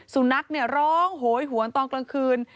สุนัขร้องโหยหวนตอนกลางคืน